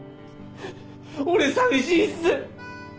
俺寂しいっす！